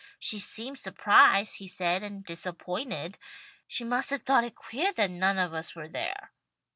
She seemed surprised, he said, and disappointed. She must have thought it queah that none of us were there."